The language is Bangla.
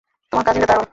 তোমার কাজিনরা দারুণ।